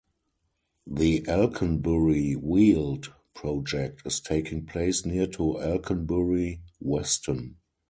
The Alconbury Weald project is taking place near to Alconbury Weston.